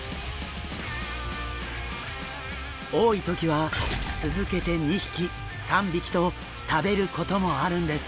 多い時は続けて２匹３匹と食べることもあるんです。